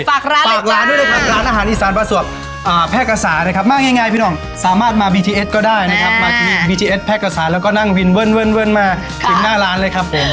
ฝากร้านฝากร้านด้วยนะครับร้านอาหารอีสานประสบแพร่กระสานะครับมากง่ายพี่น้องสามารถมาบีทีเอสก็ได้นะครับมาบีทีเอสแพร่กระสาแล้วก็นั่งวินมาถึงหน้าร้านเลยครับผม